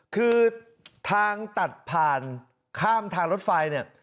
คือทางตัดผ่านข้ามทางรถไฟเนี่ย